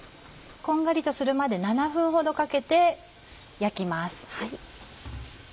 こんがりとするまで７分ほどかけて焼きます。